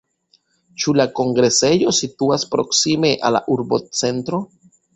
Ĉu la kongresejo situas proksime al la urbocentro?